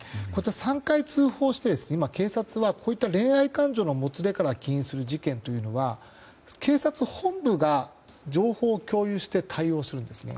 ３回通報して警察は恋愛感情の問題から起因する事件というのは警察本部が情報を共有して対応するんですね。